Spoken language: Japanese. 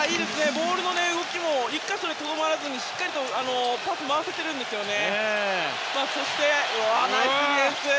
ボールの動きも１か所でとどまらずにしっかりとパスを回せているんですよね。